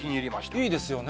いいですよね。